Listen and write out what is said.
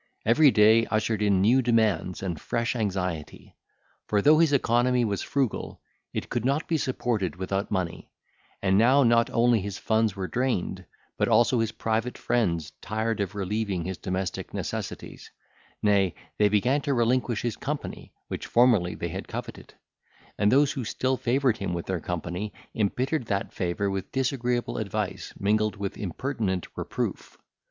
Every day ushered in new demands and fresh anxiety; for though his economy was frugal, it could not be supported without money; and now not only his funds were drained, but also his private friends tired of relieving his domestic necessities; nay, they began to relinquish his company, which formerly they had coveted; and those who still favoured him with their company embittered that favour with disagreeable advice, mingled with impertinent reproof.